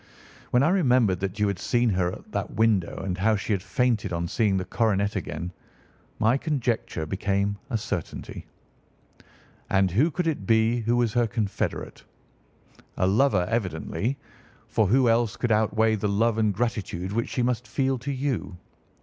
When I remembered that you had seen her at that window, and how she had fainted on seeing the coronet again, my conjecture became a certainty. "And who could it be who was her confederate? A lover evidently, for who else could outweigh the love and gratitude which she must feel to you?